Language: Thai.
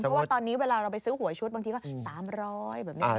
เพราะว่าตอนนี้เวลาเราไปซื้อหัวชุดบางทีก็๓๐๐เหมือนเดิม